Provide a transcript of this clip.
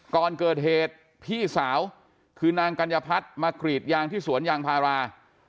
ก่อนเกิดเหตุพี่สาวคือนางกัญญพัฒน์มากรีดยางที่สวนยางพารา